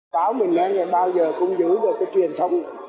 báo mình đang bao giờ cũng giữ được cái truyền thống